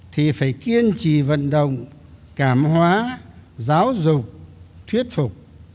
thì phải kiên trì vận động cảm hóa giáo dục thuyết phục